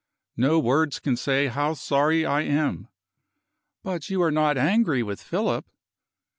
"No words can say how sorry I am!" "But you are not angry with Philip?"